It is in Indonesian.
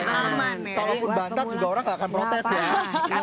kalaupun bantat juga orang nggak akan protes ya